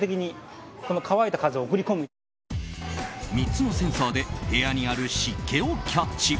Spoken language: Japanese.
３つのセンサーで部屋にある湿気をキャッチ。